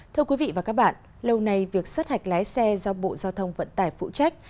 thưa quý vị và các bạn lâu nay việc sát hạch lái xe do bộ giao thông vận tải phụ trách